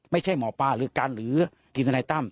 ไม่ใช่หมอป้าหรือกันหรือกินไนตั้ม